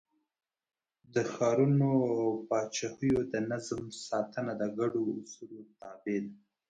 د ښارونو او پاچاهیو د نظم ساتنه د ګډو اصولو تابع ده.